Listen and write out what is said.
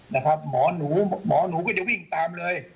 นะครับหมอนูหมอนูก็จะวิ่งตามเลย